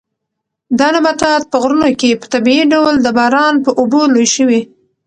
دا نباتات په غرونو کې په طبیعي ډول د باران په اوبو لوی شوي.